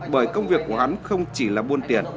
bởi công việc của hắn không chỉ là buôn tiền